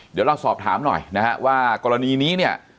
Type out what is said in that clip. เดี๋ยวเราสอบถามหน่อยนะฮะว่ากรณีนี้เนี่ย